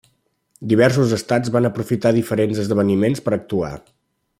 Diversos estats van aprofitar diferents esdeveniments per actuar.